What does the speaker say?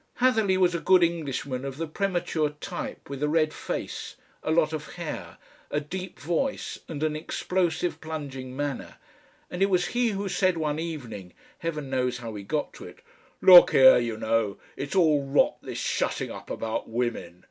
Hatherleigh was a good Englishman of the premature type with a red face, a lot of hair, a deep voice and an explosive plunging manner, and it was he who said one evening Heaven knows how we got to it "Look here, you know, it's all Rot, this Shutting Up about Women.